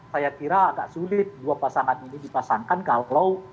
saya kira agak sulit dua pasangan ini dipasangkan kalau